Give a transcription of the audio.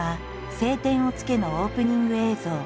「青天を衝け」のオープニング映像。